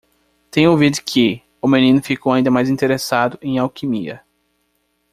Tendo ouvido que? o menino ficou ainda mais interessado em alquimia.